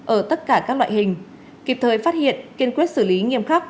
ở tất cả các loại hình kịp thời phát hiện kiên quyết xử lý nghiêm khắc